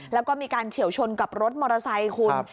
แล้วก็มีการเฉียวชนกับรถมอเตอร์ไซค์คุณ